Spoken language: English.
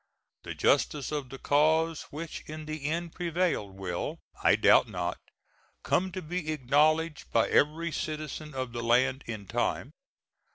The justice of the cause which in the end prevailed, will, I doubt not, come to be acknowledged by every citizen of the land, in time.